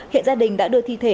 hiện gia đình đã đưa thi thể